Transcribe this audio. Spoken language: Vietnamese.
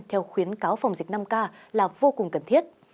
theo khuyến cáo phòng dịch năm k là vô cùng cần thiết